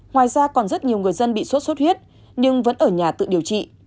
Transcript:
ngoài ra còn rất nhiều người dân bị sốt xuất huyết nhưng vẫn ở nhà tự điều trị